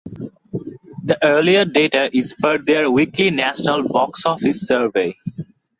The earlier data is per their weekly National Boxoffice Survey.